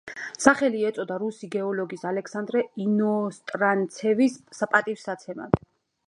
სახელი ეწოდა რუსი გეოლოგის ალექსანდრე ინოსტრანცევის პატივსაცემად.